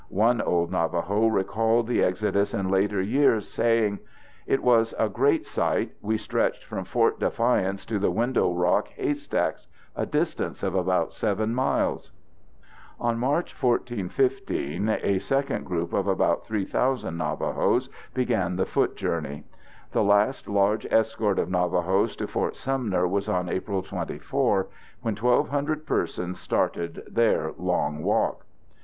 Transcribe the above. One old Navajo recalled the exodus in later years, saying: It was a great sight, we stretched from Fort Defiance to the Window Rock 'haystacks' ... a distance of about 7 miles. On March 14 15, a second group of about 3,000 Navajos began the foot journey. The last large escort of Navajos to Fort Sumner was on April 24, when 1,200 persons started their "Long Walk."